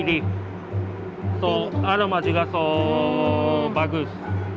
jadi aroma juga sangat bagus